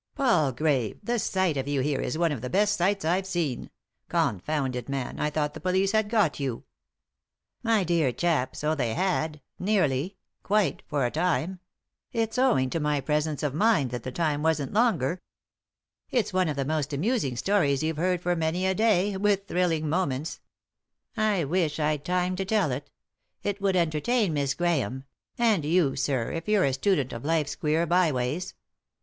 "Palgrave, the sight of you here is one of the best sights I've seen. ^Confound it, man, I thought the police had got you." " My dear chap, so they had — nearly ; quite — for a time ; it's owing to my presence oN mind that the 313 3i 9 iii^d by Google THE INTERRUPTED KISS time wasn't longer. It's one of the most amusing Stories you've heard for many a day — with thrilling moments 1 I wish I'd time to tell it It would enter tain Miss Graliame — and you, sir, if you're a student of life's queer by ways.